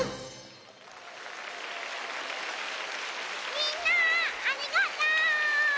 みんなありがとう！